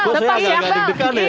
gue agak agak deg degan ya